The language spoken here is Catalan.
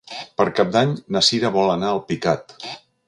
Per Cap d'Any na Sira vol anar a Alpicat.